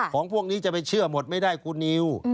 พวกนี้จะไปเชื่อหมดไม่ได้คุณนิว